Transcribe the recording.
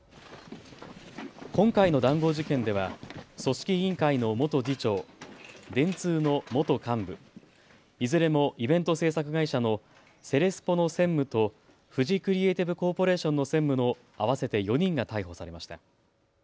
今回の談合事件では組織委員会の元次長、電通の元幹部、いずれもイベント制作会社のセレスポの専務とフジクリエイティブコーポレーションの専務の合わせて４人が逮捕されました。